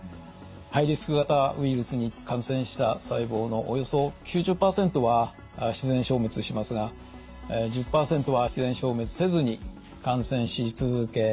ハイリスク型ウイルスに感染した細胞のおよそ９０％は自然消滅しますが１０％は自然消滅せずに感染し続け